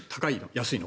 安いの？